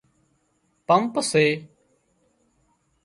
پمپ سي